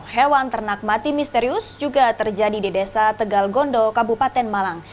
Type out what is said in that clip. hewan ternak mati misterius juga terjadi di desa tegal gondo kabupaten malang